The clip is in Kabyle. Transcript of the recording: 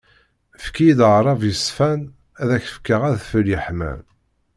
Fki-yid aɛrab yeṣfan, ad ak-fkeɣ adfel yeḥman.